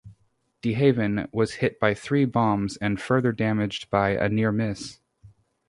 "De Haven" was hit by three bombs and further damaged by a near miss.